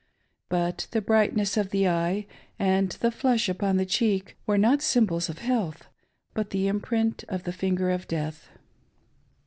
But the brightness of the eye, and the flush upon the cheek, were not symbols of health, but the imprint of the finger of death.